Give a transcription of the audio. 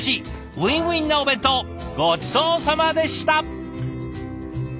ウィンウィンなお弁当ごちそうさまでした！